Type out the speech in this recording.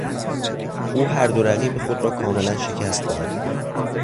او هر دو رقیب خود را کاملا شکست داد.